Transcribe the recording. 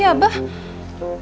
ya pak haji